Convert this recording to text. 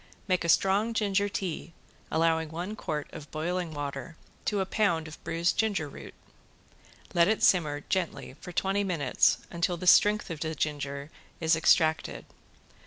Make a strong ginger tea, allowing one quart of boiling water to a pound of bruised ginger root. Let it simmer gently for twenty minutes until the strength of the ginger is extracted.